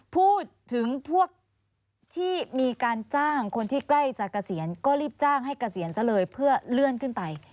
พูดถึงพวกที่มีการจ้างคนที่ใกล้จะเกษียณก็รีบจ้างให้เกษียณซะเลยเพื่อเลื่อนขึ้นไป